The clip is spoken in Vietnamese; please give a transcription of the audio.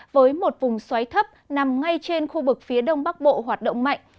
với một vùng xoáy thấp nằm ngay trên khu vực phía đông bắc bộ hoạt động mạnh